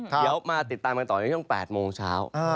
เดี๋ยวมาติดตามกันต่อในช่วง๘โมงเช้า